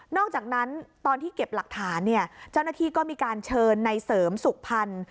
อกจากนั้นตอนที่เก็บหลักฐานเนี่ยเจ้าหน้าที่ก็มีการเชิญในเสริมสุขพันธ์